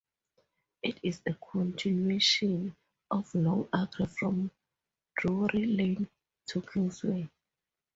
It is a continuation of Long Acre from Drury Lane to Kingsway.